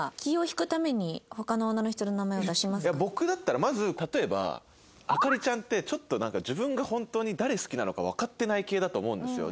でもＲＯＬＡＮＤさんだったらいや僕だったらまず例えばアカリちゃんってちょっとなんか自分が本当に誰好きなのかわかってない系だと思うんですよ。